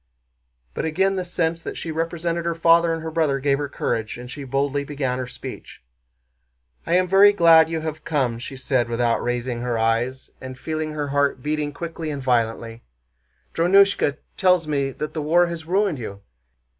But again the sense that she represented her father and her brother gave her courage, and she boldly began her speech. "I am very glad you have come," she said without raising her eyes, and feeling her heart beating quickly and violently. "Drónushka tells me that the war has ruined you.